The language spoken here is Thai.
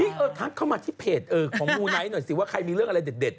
นี่เออทักเข้ามาที่เพจของมูไนท์หน่อยสิว่าใครมีเรื่องอะไรเด็ด